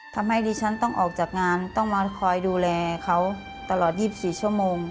ทำให้ดิฉันต้องออกจากงานต้องมาคอยดูแลเขาตลอด๒๔ชั่วโมง